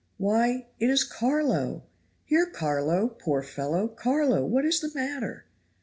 Why, it is Carlo! Here, Carlo, poor fellow, Carlo, what is the matter?"